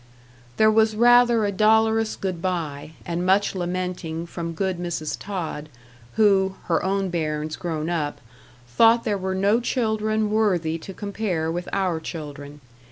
There was rather a dolorous good bye, and much lamenting from good Mrs. Tod, who, her own bairns grown up, thought there were no children worthy to compare with our children.